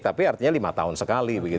tapi artinya lima tahun sekali